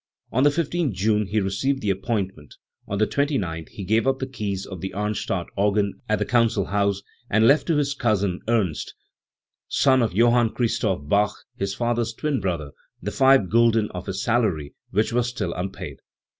On the 15 th June he received the appointment ; on the 29th he gave up the keys of the Arnstadt organ at the council house, and left to his cousin Ernst, son of Johann Christoph Bach, his father's twin brother, the five gulden of his salary which were still unpaid*.